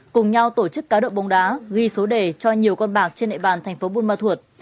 cùng nhau tổ chức cá độ bóng đá ghi số đề cho nhiều con bạc trên địa bàn thành phố buôn ma thuột